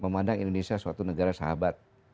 memandang indonesia suatu negara sahabat